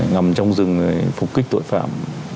ngầm trong rừng phục kích tội phạm